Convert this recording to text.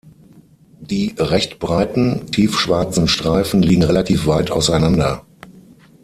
Die recht breiten tiefschwarzen Streifen liegen relativ weit auseinander.